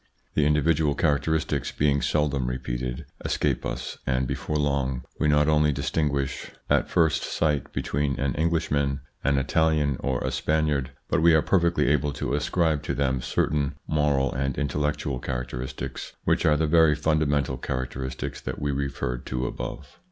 The individual characteristics, being seldom repeated, escape us, and before long we not only distinguish 8 THE PSYCHOLOGY OF PEOPLES: at first sight between an Englishman, an Italian, or a Spaniard, but we are perfectly able to ascribe to them certain moral and intellectual characteristics, which are the very fundamental characteristics that we referred to above.